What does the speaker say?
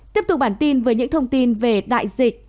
tiếp tục bản tin với những thông tin về đại dịch